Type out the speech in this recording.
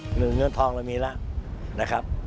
เงินทองเรามีแล้วนะครับ